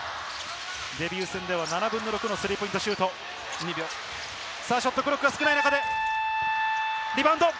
デビュー戦では７分の６のスリーポイントシュート、ショットクロック、少ない中で、リバウンド。